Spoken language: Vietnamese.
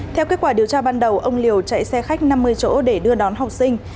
theo kết quả điều tra ban đầu ông liều chạy xe khách năm mươi chỗ để đưa đón học sinh